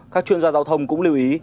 các chuyên gia giao thông cũng lưu ý